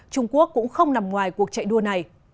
trung quốc cũng không nằm ngoài cuộc chạy đua này